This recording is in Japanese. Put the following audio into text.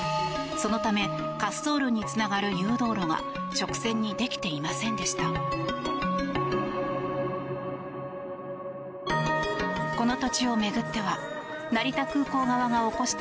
そのため滑走路につながる誘導路が直線にできていませんでした。